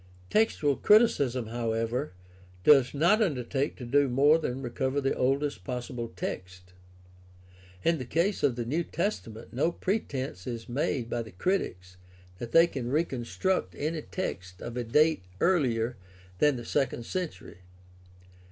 Textual criticism, however, does not undertake to do more than recover the oldest possible text. In the case of the New Testament no pretense is made by the critics that they can reconstruct any text of a date earher than the second century.